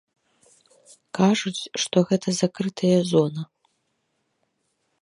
Кажуць, што гэта закрытая зона.